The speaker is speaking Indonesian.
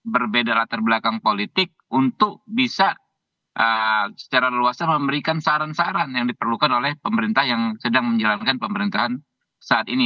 berbeda latar belakang politik untuk bisa secara luasan memberikan saran saran yang diperlukan oleh pemerintah yang sedang menjalankan pemerintahan saat ini